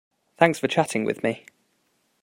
Thanks for chatting with me.